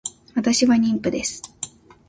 私は妊婦です